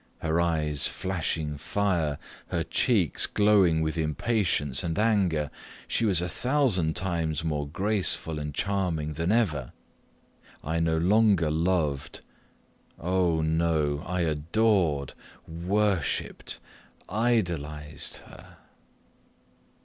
her eyes flashing fire, her cheeks glowing with impatience and anger, she was a thousand times more graceful and charming than ever I no longer loved Oh! no, I adored worshipped idolized her!